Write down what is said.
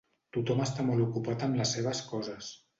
Tothom està molt ocupat amb les seves coses.